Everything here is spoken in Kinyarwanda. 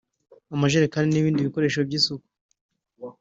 amajerikani n’ibindi bikoresho by’isuku